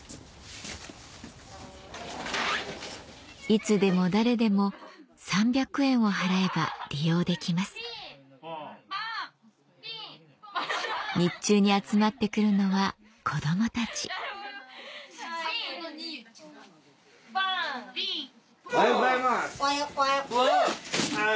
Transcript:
いつでも誰でも３００円を払えば利用できます日中に集まって来るのは子どもたちおはようございます。